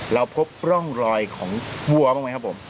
แล้วพบร่องรอยของวัวของไหมครับผม